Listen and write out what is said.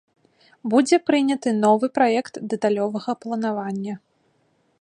Будзе прыняты новы праект дэталёвага планавання.